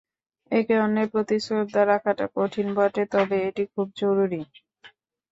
একে অন্যের প্রতি শ্রদ্ধা রাখাটা কঠিন বটে, তবে এটি খুব জরুরি।